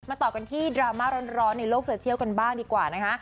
ต่อกันที่ดราม่าร้อนในโลกโซเชียลกันบ้างดีกว่านะคะ